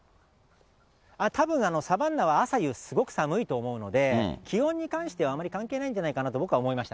たぶん、サバンナは朝夕すごく寒いと思うので、気温に関してはあまり関係ないんじゃないかなと僕は思いました。